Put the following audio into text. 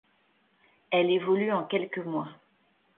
Elle évolue en quelques mois.